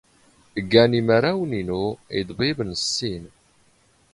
ⴳⴰⵏ ⵉⵎⴰⵔⴰⵡⵏ ⵉⵏⵓ ⵉⴹⴱⵉⴱⵏ ⵙ ⵙⵉⵏ.